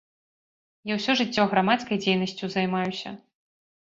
Я ўсё жыццё грамадскай дзейнасцю займаюся.